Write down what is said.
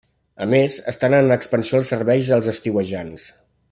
A més, estan en expansió els serveis als estiuejants.